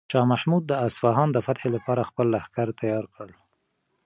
شاه محمود د اصفهان د فتح لپاره خپل لښکر تیار کړ.